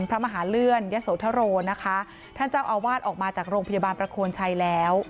พระมหาเลื่อนยะโสธโรนะคะท่านเจ้าอาวาสออกมาจากโรงพยาบาลประโคนชัยแล้ว